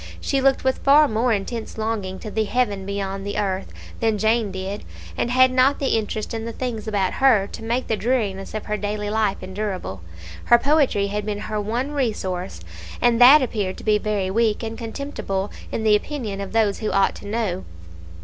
She looked with far more intense longing to the Heaven beyond the earth than Jane did, and had not the interest in the things about her to make the dreariness of her daily life endurable. Her poetry had been her one resource; and that appeared to be very weak and contemptible in the opinion of those who ought to know.